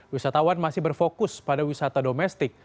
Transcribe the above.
wisatawan masih berfokus pada wisata domestik